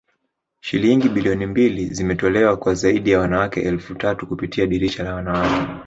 Shilingi bilioni mbili zimetolewa kwa zaidi ya wanawake elfu tatu kupitia dirisha la wanawake